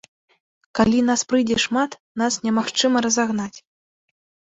Калі нас прыйдзе шмат, нас немагчыма разагнаць.